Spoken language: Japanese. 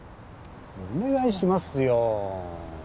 お願いしますよ。